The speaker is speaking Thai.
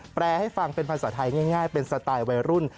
แปลให้ฟังเป็นภาษาไทยง่ายเป็นสไตล์วัยรุ่น